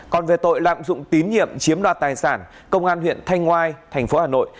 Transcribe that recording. còn về tội lạm dụng tín nhiệm chiếm đoạt tài sản công an huyện thanh ngoai tp hà nội